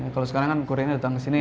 kalau sekarang kan korea datang ke sini